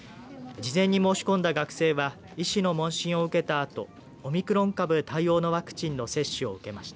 事前に申し込んだ学生は医師の問診を受けたあとオミクロン株対応のワクチンの接種を受けました。